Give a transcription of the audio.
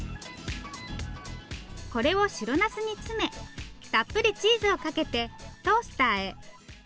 これを白なすに詰めたっぷりチーズをかけてトースターへ。